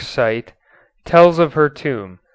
cit._) tells of her tomb.